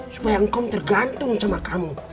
supaya engkau tergantung sama kamu